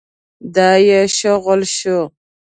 دا يې شغل شو.